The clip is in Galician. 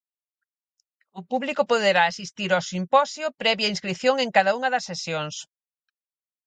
O público poderá asistir ao simposio previa inscrición en cada unha das sesións.